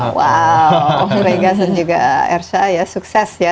wow om regas dan juga ersha ya sukses ya